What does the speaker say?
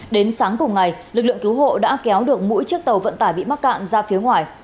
đến sáng cùng ngày lực lượng cứu hộ đã kéo được mỗi chiếc tàu vận tải bị mắc cạn ra phía ngoài